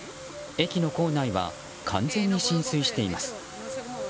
駅の構内は完全に浸水しています。